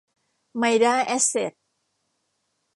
ไมด้า แอสเซ็ท